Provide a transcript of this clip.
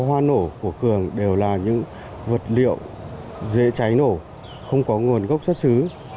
hoa nổ của cường đều là những vật liệu dễ cháy nổ không có nguồn gốc xuất xứ